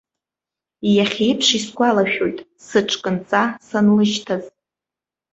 Иахьеиԥш исгәалашәоит сыҽкынҵа санлышьҭаз.